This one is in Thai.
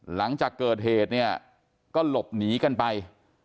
หลังจากเกิดเหตุเนี่ยก็หลบหนีกันไป